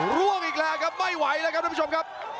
ร่วงอีกแล้วครับไม่ไหวแล้วครับทุกผู้ชมครับ